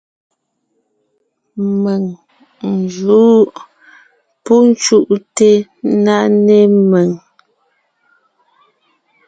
Mèŋ n jǔʼ. Pú cúʼte ńná né mèŋ.